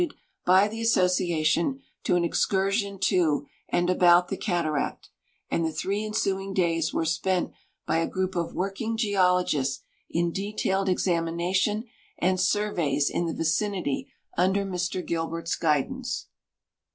BROWN GOODE by the Association to an excursion to and abont the cataract ; and the tliree ensning days were spent bj^ a group of working geologists in detailed examination and snrvej's in the vicinity under Mr Gilbert's guidance.